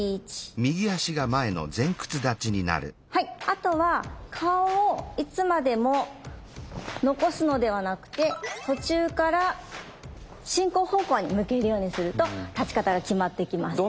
あとは顔をいつまでも残すのではなくて途中から進行方向に向けるようにすると立ち方が極まっていきます。